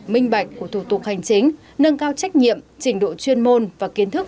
minh bạch của thủ tục hành chính nâng cao trách nhiệm trình độ chuyên môn và kiến thức